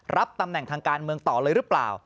รับตำแหน่งทางการเมืองต่อเลยหรือเปล่า